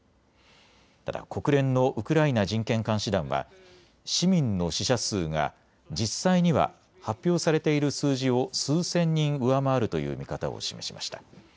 ただ国連のウクライナ人権監視団は市民の死者数が実際には発表されている数字を数千人上回るという見方を示しました。